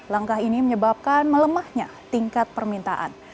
langkah ini menyebabkan melemahnya tingkat permintaan